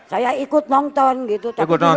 saya ikut nonton gitu tapi di luar